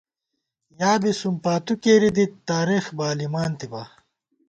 یا بی سُمپاتُو کېری دِت ، تارېخ بالِمانتِبا